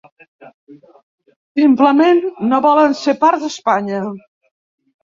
Simplement, no volen ser part d’Espanya.